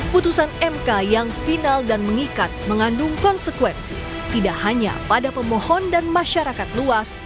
putusan mk yang final dan mengikat mengandung konsekuensi tidak hanya pada pemohon dan masyarakat luas